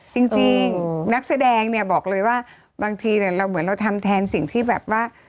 จริงนักแสดงเนี่ยบอกเลยว่าบางทีเราเหมือนเราทำแทนสิ่งที่แบบว่า